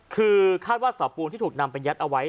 คือคาดว่าเสาปูนที่ถูกนำไปยัดเอาไว้